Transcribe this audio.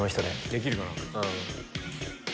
できるかな？